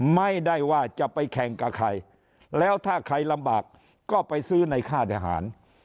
ไม่ได้ว่าจะไปแข่งกับใครแล้วถ้าใครลำบากก็ไปซื้อในค่าทหาร